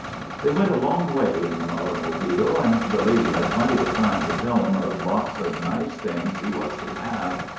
They went a long way in the automobile and the lady had plenty of time to tell him of lots of nice things he was to have.